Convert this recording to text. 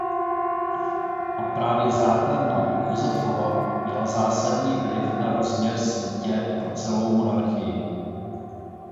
A právě základna u Josefova měla zásadní vliv na rozměr sítě pro celou monarchii.